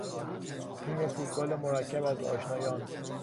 تیم فوتبال مرکب از آشنایان